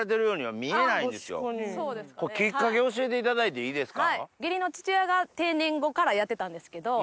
そうですかね。きっかけ教えていただいていいですか？